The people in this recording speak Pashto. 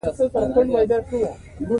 د نوعیت په لحاظ متون ډېر ډولونه لري.